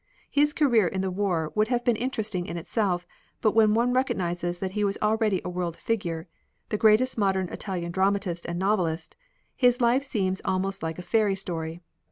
His career in the war would have been interesting in itself, but when one recognizes that he was already a world figure, the greatest modern Italian dramatist and novelist, his life seems almost like a fairy story.